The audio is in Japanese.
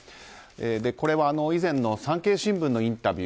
これは以前の産経新聞のインタビュー